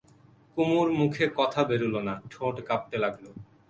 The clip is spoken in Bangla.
কুমুর মুখে কথা বেরোল না, ঠোঁট কাঁপতে লাগল।